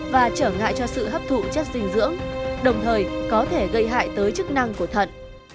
lại cho sự hấp thụ chất dinh dưỡng đồng thời có thể gây hại tới chức năng của thận